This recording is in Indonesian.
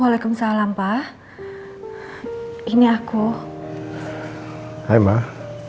waalaikumsalam pak ini aku hai pak